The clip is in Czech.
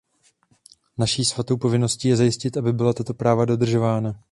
Naší svatou povinností je zajistit, aby byla tato práva dodržována.